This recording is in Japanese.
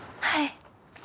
はい。